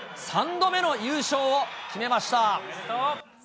３度目の優勝を決めました。